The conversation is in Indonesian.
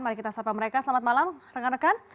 mari kita sapa mereka selamat malam rekan rekan